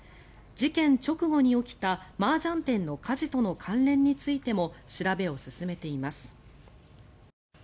事件直後の起きたマージャン店の火事との関連についても調べを進めています。